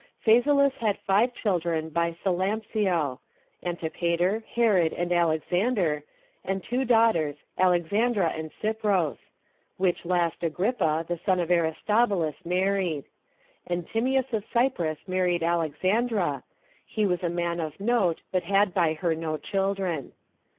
Phasaelus had five children by Salampsio; Antipater, Herod, and Alexander, and two daughters, Alexandra and Cypros; which last Agrippa, the son of Aristobulus, married; and Timius of Cyprus married Alexandra; he was a man of note, but had by her no children.